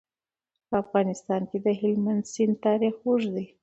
په افغانستان کې د هلمند سیند تاریخ اوږد دی.